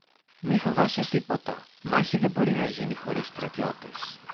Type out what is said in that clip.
Μη φοβάσαι τίποτα, μάχη δεν μπορεί να γίνει χωρίς στρατιώτες